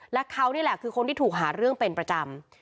และเขานี่แหละคือคนที่ถูกหาเรื่องเป็นประจำ